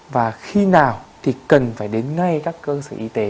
và khi nào thì cần phải đến ngay các cơ sở y tế